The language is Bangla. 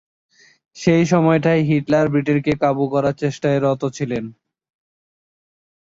সেই সময়টায় হিটলার ব্রিটেনকে কাবু করার চেষ্টায় রত ছিলেন।